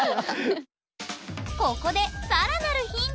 ここで更なるヒント！